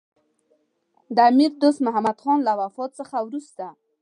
د امیر دوست محمدخان له وفات څخه وروسته.